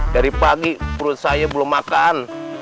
dari pagi perut saya belum makan